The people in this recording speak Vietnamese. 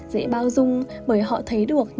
dễ bao dung bởi họ thấy được